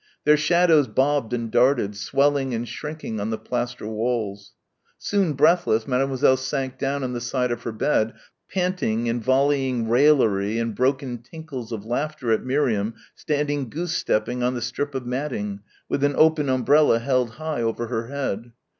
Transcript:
Their shadows bobbed and darted, swelling and shrinking on the plaster walls. Soon breathless, Mademoiselle sank down on the side of her bed, panting and volleying raillery and broken tinkles of laughter at Miriam standing goose stepping on the strip of matting with an open umbrella held high over her head.